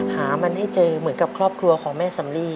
หามันให้เจอเหมือนกับครอบครัวของแม่สำลี